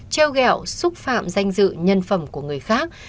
treo gẹo xúc phạm danh dự nhân phẩm của người khác